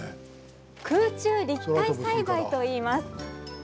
空中立体栽培といいます。